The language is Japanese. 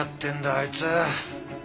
あいつ。